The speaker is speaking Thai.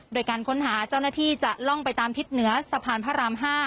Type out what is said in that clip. โดยการค้นหาเจ้าหน้าที่จะล่องไปตามทิศเหนือสะพานพระราม๕